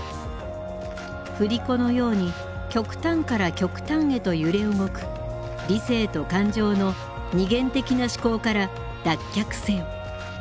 振り子のように極端から極端へと揺れ動く理性と感情の二元的な思考から脱却せよ。